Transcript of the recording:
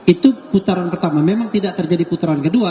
itu putaran pertama memang tidak terjadi putaran kedua